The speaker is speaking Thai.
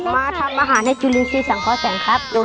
มาทำอาหารในจุลินชีสังเคราะห์แสงครับ